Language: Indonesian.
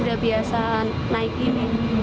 udah biasa naik ini